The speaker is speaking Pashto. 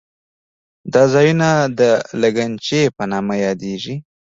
دا ځایونه د لګنچې په نامه یادېږي.